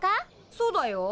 そうだよ。